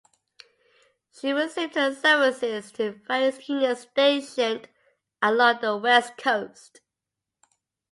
She resumed her services to various units stationed along the west coast.